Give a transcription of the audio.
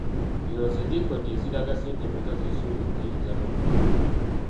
Zino ze likodi eziraga ssente mmeka z’osuubira okuyingiza n’okufulumya.